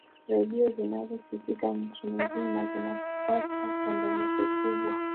redio zinazosikika nchi nzima zinapata changamoto kubwa